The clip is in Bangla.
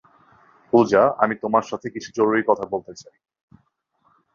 পূজা, আমি তোমার সাথে, কিছু জরুরি কথা বলতে চাই।